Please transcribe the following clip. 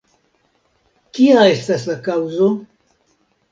Kia estas la kaŭzo?